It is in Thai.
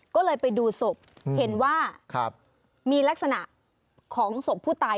ก็เลยไปดูศพเห็นว่ามีลักษณะของศพผู้ตาย